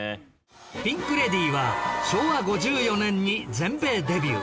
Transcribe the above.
ピンク・レディーは昭和５４年に全米デビュー